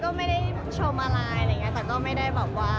และเห็น